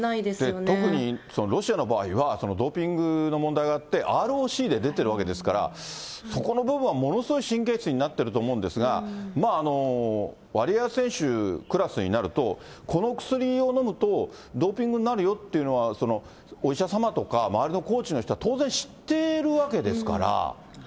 で、特に、ロシアの場合はドーピングの問題があって、ＲＯＣで出てるわけですから、そこの部分はものすごい神経質になってると思うんですが、ワリエワ選手クラスになると、この薬を飲むと、ドーピングになるよっていうのは、お医者様とか、周りのコーチの人は当然、知ってるわけですから。